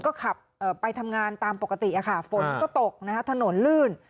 ก็ขับไปทำงานตามปกติฝนก็ตกนะคะถนนลื่น